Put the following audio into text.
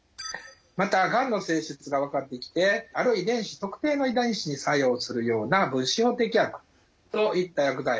またがんの性質が分かってきてある遺伝子特定の遺伝子に作用するような分子標的薬といった薬剤。